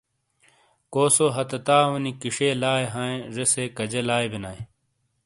کوسو ہَتہ تاؤے نی کِشئیے لائی ہائیں ذیسئی کَجے لائیے بینائیے۔